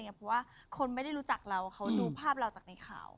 เพราะว่าคนไม่ได้รู้จักเราเขาดูภาพเราจากในข่าว